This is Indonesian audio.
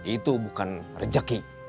itu bukan rejeki